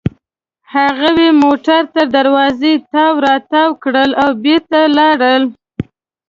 هغوی موټر تر دروازې تاو راتاو کړل او بېرته لاړل.